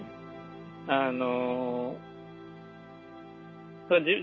あの。